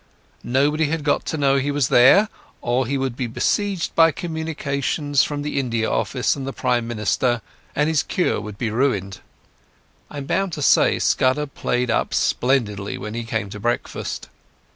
Nobody had got to know he was here, or he would be besieged by communications from the India Office and the Prime Minister and his cure would be ruined. I am bound to say Scudder played up splendidly when he came to breakfast.